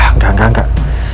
enggak enggak enggak